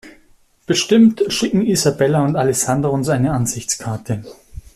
Bestimmt schicken Isabella und Alessandro uns eine Ansichtskarte.